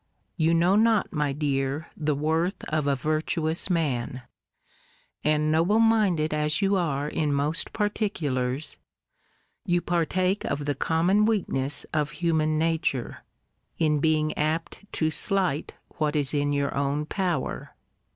You know not, my dear, the worth of a virtuous man; and, noble minded as you are in most particulars, you partake of the common weakness of human nature, in being apt to slight what is in your own power.